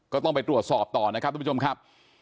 ก็ต้องไปตรวจสอบต่อนะครับทุกผู้ชมครับ